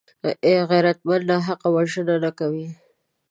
غیرتمند ناحقه وژنه نه کوي